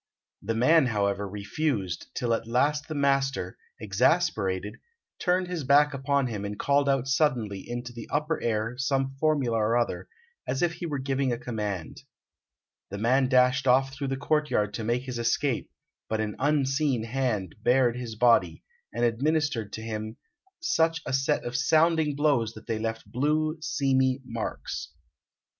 The man, however, refused, till at last the master, exasperated, turned his back upon him and called out suddenly into the upper air some formula or other, as if he were giving a command. The man dashed off through the courtyard to make his escape, but an unseen hand bared his body, and administered to him such a set of sounding blows that they left blue, seamy marks.